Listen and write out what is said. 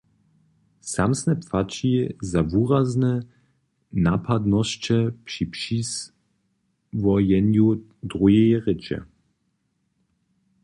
Samsne płaći za wurazne napadnosće při přiswojenju druheje rěče.